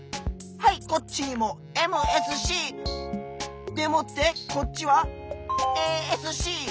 はいこっちにもＭＳＣ！でもってこっちはＡＳＣ！